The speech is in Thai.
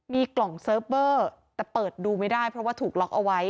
มีกล่องเซิร์ฟเวอร์แต่เปิดดูไม่ได้เพราะว่าถูกล็อกเอาไว้